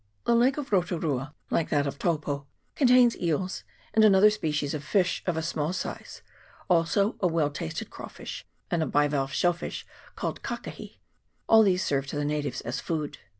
The lake of Rotu rua, like that of Taupo, con tains eels, and another species of fish of a small size ; also a well tasted crawfish, and a bivalve shell fish called kakahi : all these serve to the natives as food.